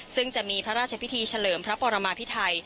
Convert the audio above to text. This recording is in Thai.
ซึ่งจะมีพระราชพิธีเฉลิมพระปรมาพิไทย